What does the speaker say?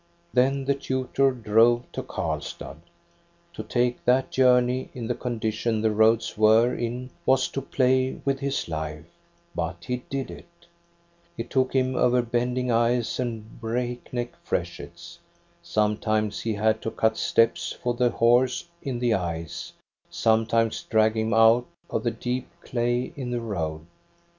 " Then the tutor drove to Karlstad. To take that journey in the condition the roads were in was to play with his life; but he did it. It took him over bending ice and break neck freshets. Sometimes he had to cut steps for the horse in the ice, some times drag him out of the deep clay in the road.